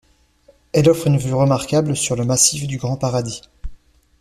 Elle offre une vue remarquable sur le massif du Grand-Paradis.